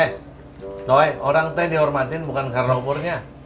eh coy orang itu yang dihormatin bukan karena umurnya